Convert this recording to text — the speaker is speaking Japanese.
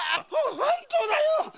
本当だよ。